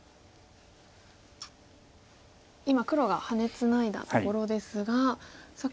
今黒がハネツナいだところですがさあ